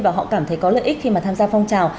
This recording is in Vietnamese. và họ cảm thấy có lợi ích khi mà tham gia phong trào